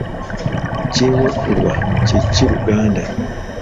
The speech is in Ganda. Kyewaggulwa kye ki Luganda?